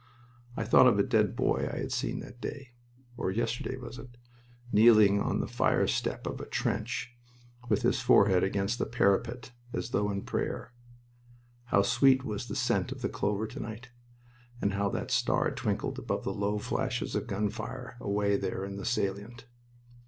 I thought of a dead boy I had seen that day or yesterday was it? kneeling on the fire step of a trench, with his forehead against the parapet as though in prayer... How sweet was the scent of the clover to night! And how that star twinkled above the low flashes of gun fire away there in the salient.